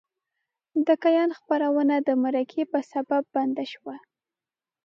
د کیان خپرونه د مرکې په سبب بنده شوه.